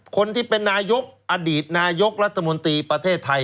คนที่เป็นนายกอดีตนายกรัฐมนตรีประเทศไทย